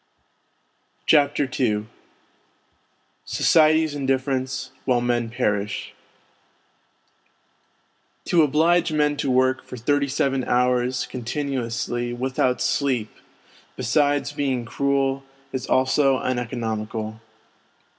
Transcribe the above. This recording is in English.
CHAPTER II SOCIETY'S INDIFFERENCE WHILE MEN PEKISH To oblige men to work for thirty seven hours continuously without sleep, besides being cruel, is also uneconomical.